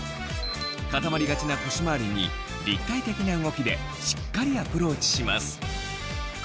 固まりがちな腰回りに立体的な動きでしっかりアプローチします